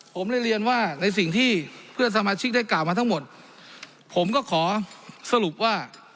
ผมได้เรียนว่าในสิ่งที่เพื่อนสมาชิกได้กล่าวมาทั้งหมดผมก็ขอสรุปว่า